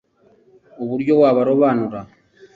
uburyo wabarobanura